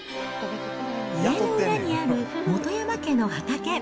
家の裏にある本山家の畑。